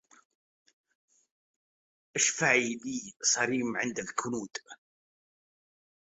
اشفعي لي صريم عند الكنود